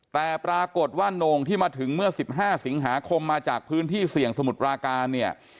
แต่ปรากฏว่าโน่งที่มาถึงเมื่อ๑๕สิงหาคมมาจากพื้นที่เสี่ยงสมุทรปราการเนี่ย